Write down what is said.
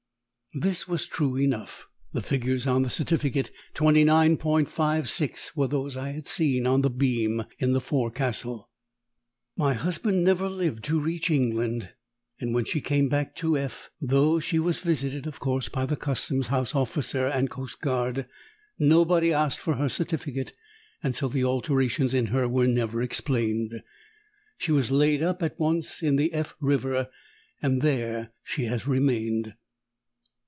This was true enough. The figures on the certificate, 29.56, were those I had seen on the beam in the forecastle. "My husband never lived to reach England, and when she came back to F , though she was visited, of course, by the Custom House officer and coastguard, nobody asked for her certificate, and so the alterations in her were never explained. She was laid up at once in the F River, and there she has remained."